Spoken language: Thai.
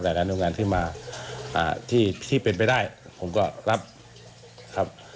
หลายหน่วยงานขึ้นมาที่เป็นไปได้ผมก็รับครับ